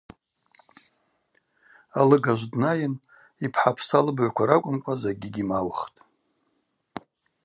Алыгажв днайын – йпхӏапса лыбыгӏвква ракӏвымкӏва закӏгьи гьимаухтӏ.